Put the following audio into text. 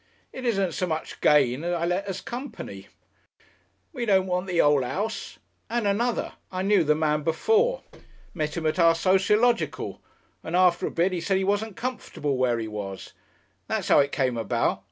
It isn't so much for gain I let as company. We don't want the whole 'ouse, and another, I knew the man before. Met him at our Sociological, and after a bit he said he wasn't comfortable where he was. That's how it came about.